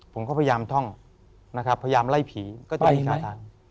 ผมก็พยายามท่องนะครับพยายามไล่ผีก็จะมีอาการ